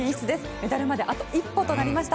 メダルまであと一歩となりました。